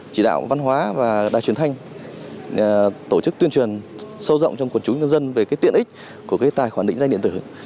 chỉ đạo văn hóa và đài truyền thanh tổ chức tuyên truyền sâu rộng trong quần chúng nhân dân về cái tiện ích của tài khoản định danh điện tử